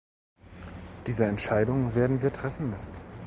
Diese Entscheidung werden wir treffen müssen.